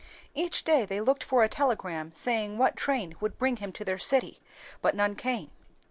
Each day they looked for a telegram saying what train would bring him to their city, but none came.